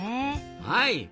はい！